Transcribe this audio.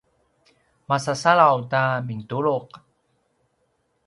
masasalaw ta mintuluq